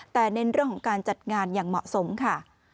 แต่เน้นเรื่องของการจัดงานอย่างเหมาะสมค่ะ